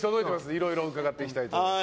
いろいろ伺っていきたいと思います。